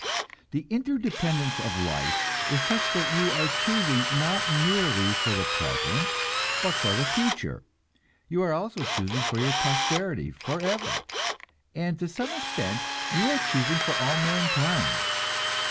The interdependence of life is such that you are choosing not merely for the present, but for the future; you are choosing for your posterity forever, and to some extent you are choosing for all mankind.